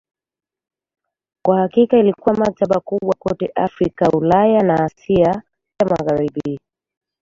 Kwa hakika ilikuwa maktaba kubwa kote Afrika, Ulaya na Asia ya Magharibi.